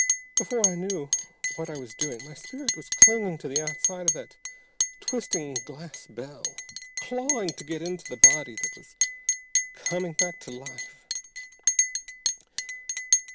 Before I knew what I was doing my spirit was clinging to the outside of that twisting glass bell, clawing to get into the body that was coming back to life!